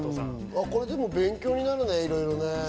これ、勉強になるね、いろいろ。